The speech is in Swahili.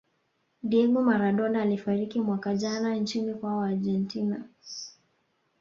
diego maradona alifariki mwaka jana nchini kwao argentina